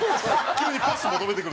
急にパス求めてくる。